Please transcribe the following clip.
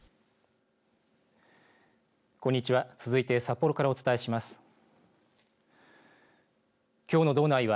こんにちは。